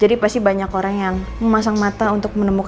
jadi pasti banyak orang yang memasang mata untuk mencari mereka